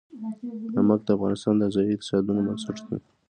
نمک د افغانستان د ځایي اقتصادونو بنسټ دی.